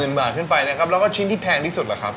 ๑หมื่นบาทขึ้นไปนะครับแล้วก็ชิ้นที่แพงที่สุดหรือครับ